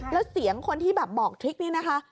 แล้วเสียงคนที่แบบบอกทริคนี่นะคะ